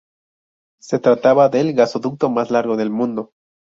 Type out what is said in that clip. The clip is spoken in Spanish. Se trataba del gasoducto mas largo del mundo.